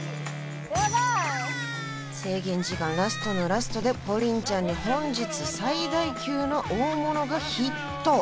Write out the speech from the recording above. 制限時間ラストのラストでＰＯＲＩＮちゃんに本日最大級の大物がヒット！